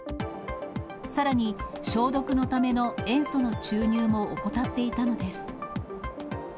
さらに消毒のための塩素の注入も怠っていたのです。